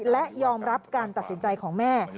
และยอมรับการตัดสินใจของแม่